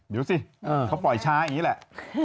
เดี๋ยวสิเขาปล่อยช้าอย่างนี้แหละ